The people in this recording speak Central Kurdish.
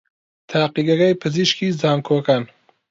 تاقیگەکەی پزیشکیی زانکۆکان